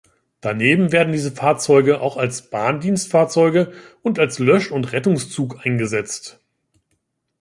Daneben werden diese Fahrzeuge auch als Bahndienstfahrzeuge und als Lösch- und Rettungszug eingesetzt.